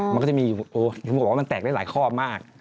มันก็จะมีอยู่โอ้เห็นบอกว่ามันแตกได้หลายข้อมาก